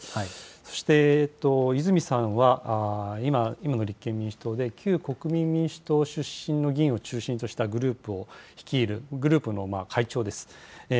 そして、泉さんは今の立憲民主党で旧国民民主党出身の議員を中心としたグループを率いるグループの会長です。